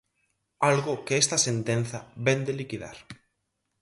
Algo que esta sentenza vén de liquidar.